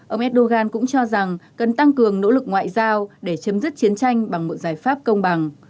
ông erdogan cũng cho rằng cần tăng cường nỗ lực ngoại giao để chấm dứt chiến tranh bằng một giải pháp công bằng